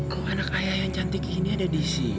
kok anak ayah yang cantik ini ada di sini